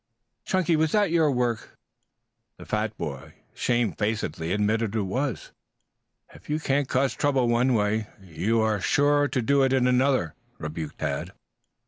"Chunky, was that your work?" The fat boy shamefacedly admitted it was. "If you can't cause trouble in one way you are sure to in another," rebuked Tad.